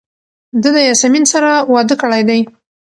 ده د یاسمین سره واده کړی دی.